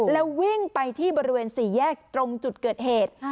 แล้ววิ่งไปที่บริเวณ๔แยกตรงจุดเกิดเหตุ